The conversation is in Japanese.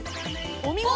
お見事。